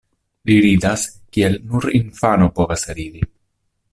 Li ridas kiel nur infano povas ridi.